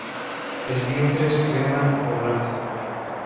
El vientre es crema o blanco.